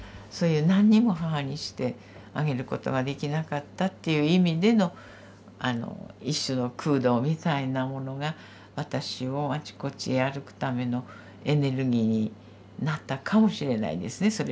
そういう何にも母にしてあげることができなかったっていう意味での一種の空洞みたいなものが私をあちこちへ歩くためのエネルギーになったかもしれないですね。